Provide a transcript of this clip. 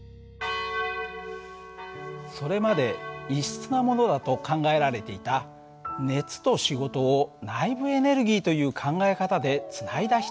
それまで異質なものだと考えられていた熱と仕事を内部エネルギーという考え方でつないだ人たちがいます。